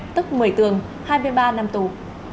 tức một mươi tường hai mươi ba năm tù